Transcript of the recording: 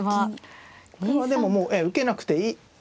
これはでももう受けなくていい。